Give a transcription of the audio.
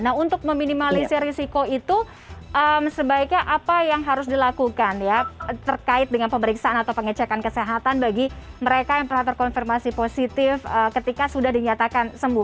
nah untuk meminimalisir risiko itu sebaiknya apa yang harus dilakukan ya terkait dengan pemeriksaan atau pengecekan kesehatan bagi mereka yang pernah terkonfirmasi positif ketika sudah dinyatakan sembuh